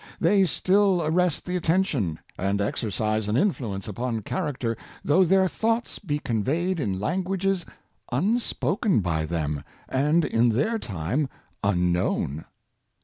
They still arrest the attention, and exercise an influence upon character, though their thoughts be con veyed in languages unspoken by them, and in their time unknown.